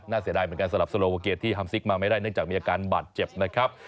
เสียดายเหมือนกันสำหรับโซโลวาเกตที่ฮัมซิกมาไม่ได้เนื่องจากมีอาการบาดเจ็บนะครับ